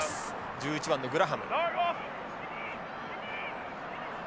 １１番のグラハム。